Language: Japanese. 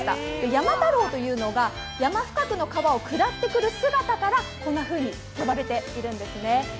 山太郎というのが山深くの川を下っている姿からこんなふうに呼ばれているんですね。